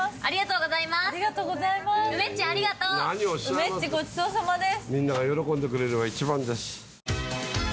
梅っちごちそうさまです。